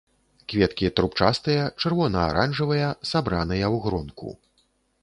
Кветкі трубчастыя, чырвона-аранжавыя, сабраныя ў гронку.